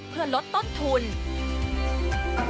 เพื่อลดต้นทุน